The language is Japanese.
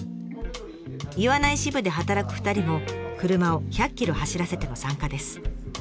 岩内支部で働く２人も車を１００ｋｍ走らせての参加です。